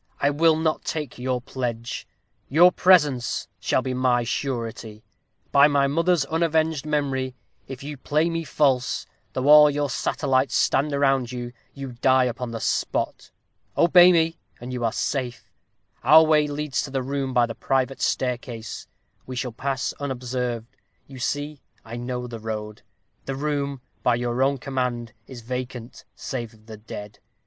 "I will not take your pledge; your presence shall be my surety. By my mother's unavenged memory, if you play me false, though all your satellites stand around you, you die upon the spot! Obey me, and you are safe. Our way leads to the room by the private staircase we shall pass unobserved you see I know the road. The room, by your own command, is vacant save of the dead.